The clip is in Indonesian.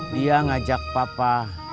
dia ngajak papa